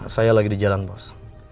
saya lagi di jalan bos